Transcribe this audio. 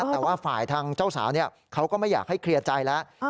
แต่ว่าฝ่ายทางเจ้าสาวเขาก็ไม่อยากให้เคลียร์ใจแล้ว